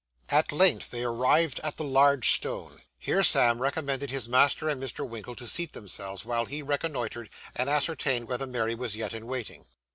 At length they arrived at the large stone. Here Sam recommended his master and Mr. Winkle to seat themselves, while he reconnoitred, and ascertained whether Mary was yet in waiting.